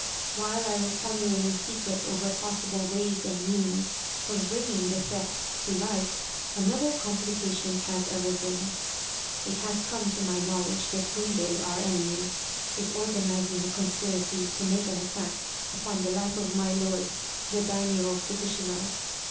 While I was pondering in secret over possible ways and means of bringing the theft to light, another complication has arisen. " It has come to my knowledge that Gunbei, our enemy, is organizing a conspiracy to make an attack upon the life of my lord, the Daimio of Tokushima.